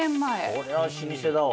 そりゃ老舗だわ。